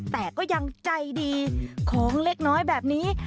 แต่ก็ยังใจดีของเล็กน้อยแบบนี้